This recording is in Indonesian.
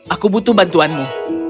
aku butuh bantuanmu